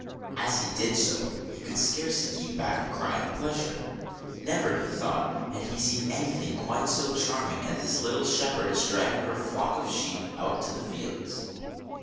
As he did so, he could scarcely keep back a cry of pleasure. Never, he thought, had he seen anything quite so charming as this little shepherdess, driving her flock of sheep out to the fields.